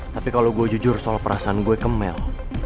tapi kalo gue jujur soal perasaan gue ke mel